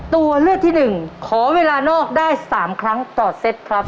ตัวเลือกที่หนึ่งขอเวลานอกได้๓ครั้งต่อเซตครับ